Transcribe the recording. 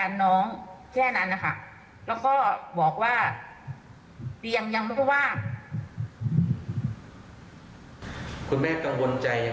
อาจจะไม่ใช่คนแบบมีตั้งมากมายเนาะที่จะเรียกโรงพยาบาลอะไรได้ใช่ไหมแม่